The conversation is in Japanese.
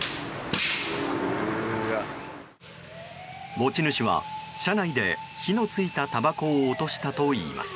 持ち主は、車内で火のついたたばこを落としたと言います。